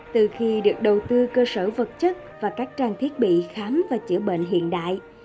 từ khi được đầu tư cơ sở vật chất và các trang thiết bị khám và chữa bệnh hiện đại